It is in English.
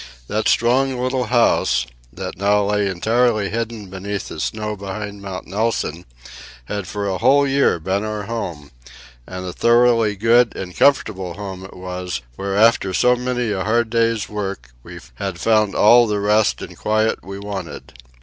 That strong little house, that now lay entirely hidden beneath the snow behind Mount Nelson, had for a whole year been our home, and a thoroughly good and comfortable home it was, where after so many a hard day's work we had found all the rest and quiet we wanted.